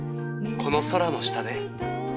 この空の下で。